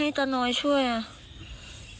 ไม่ให้ตาน้อยช่วยอะ